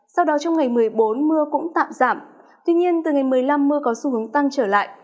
sau đó trong ngày một mươi bốn mưa cũng tạm giảm tuy nhiên từ ngày một mươi năm mưa có xu hướng tăng trở lại